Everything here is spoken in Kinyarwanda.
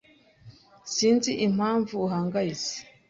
Sinzi impamvu ahangayitse.